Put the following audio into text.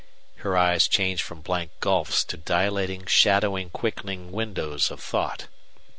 Her eyes changed from blank gulfs to dilating, shadowing, quickening windows of thought.